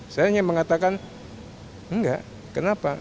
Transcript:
saya hanya mengatakan enggak kenapa